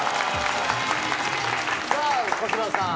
さあ小芝さん